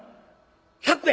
１００円？